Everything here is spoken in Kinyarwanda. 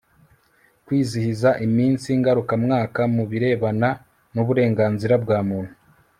kwizihiza iminsi ngarukamwaka mu birebana n'uburenganzira bwa muntu